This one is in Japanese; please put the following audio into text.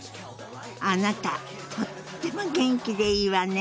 あなたとっても元気でいいわね！